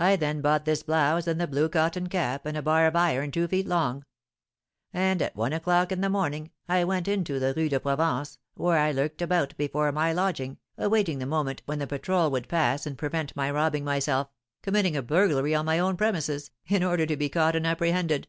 I then bought this blouse, and the blue cotton cap, and a bar of iron two feet long; and at one o'clock in the morning I went into the Rue de Provence, where I lurked about before my lodging, awaiting the moment when the patrol would pass and prevent my robbing myself, committing a burglary on my own premises, in order to be caught and apprehended."